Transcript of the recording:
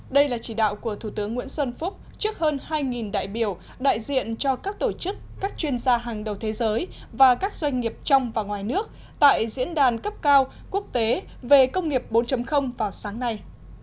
đây là chỉ đạo của thủ tướng nguyễn xuân phúc trước hơn hai đại biểu đại diện cho các tổ chức các chuyên gia hàng đầu thế giới và các doanh nghiệp trong và ngoài nước tại diễn đàn cấp cao quốc tế về công nghiệp bốn vào sáng nay